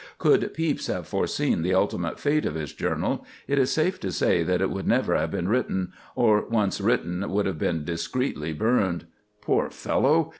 Could Pepys have foreseen the ultimate fate of his journal, it is safe to say that it would never have been written, or, once written, would have been discreetly burned. Poor fellow!